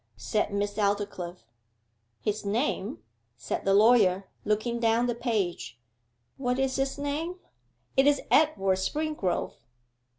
said Miss Aldclyffe. 'His name ' said the lawyer, looking down the page; 'what is his name? it is Edward Springrove.